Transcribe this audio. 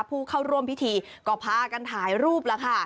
ผู้เข้าร่วมพิธีก็พากันถ่ายรูปแล้วค่ะ